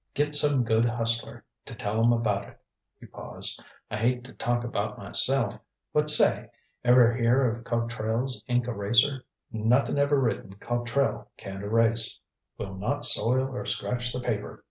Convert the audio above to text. Get some good hustler to tell 'em about it " He paused. "I hate to talk about myself, but say ever hear of Cotrell's Ink Eraser? Nothing ever written Cotrell can't erase. Will not soil or scratch the paper.